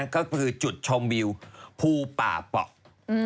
ก็คือจุดชมวิวภูป่าเปาะ